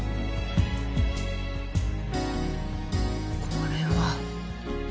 これは。